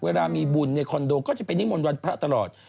เวลามีบุญในคอนโดก็จะไปนิมนต์วันพระตลอด